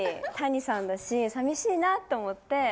谷さんだしさみしいなと思って。